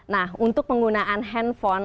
nah untuk penggunaan handphone